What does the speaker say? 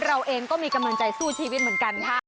เราเองก็มีกำลังใจสู้ชีวิตเหมือนกันค่ะ